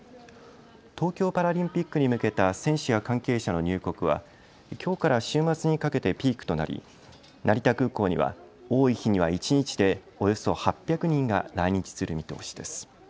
東京パラリンピックに向けた選手や関係者の入国はきょうから週末にかけてピークとなり、成田空港には多い日には一日でおよそ８００人が来日する見通しです。